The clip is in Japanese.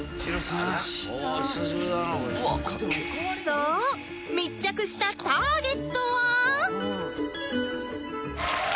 そう密着したターゲットは